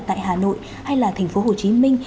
tại hà nội hay là thành phố hồ chí minh